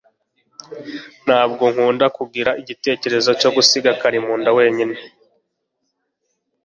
Ntabwo nkunda igitekerezo cyo gusiga Karimunda wenyine